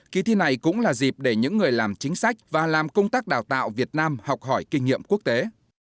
kỳ thi này cũng là dịp để những người làm chính sách và làm công tác đào tạo việt nam học hỏi kinh nghiệm quốc tế